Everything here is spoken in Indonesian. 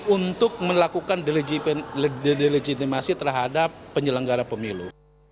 untuk melakukan delegitimasi terhadap penyelenggara pemilu